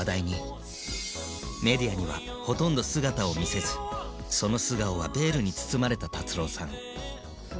メディアにはほとんど姿を見せずその素顔はベールに包まれた達郎さん。